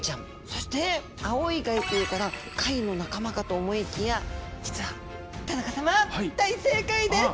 そしてアオイガイというから貝の仲間かと思いきや実は田中様大正解です！